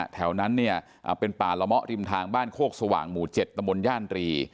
แถวนั้นเนี่ยเป็นป่าละมะริมทางบ้านโคกสว่างหมู่๗ตมย่านตรี